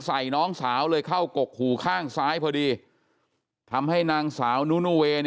น้องสาวเลยเข้ากกหูข้างซ้ายพอดีทำให้นางสาวนุนูเว